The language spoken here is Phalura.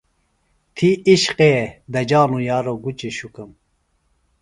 تھی عشقے دجانوۡ یارو گُچیۡ شُکم۔